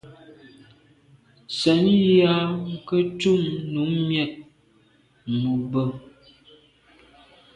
Ntsenyà nke ntum num miag mube.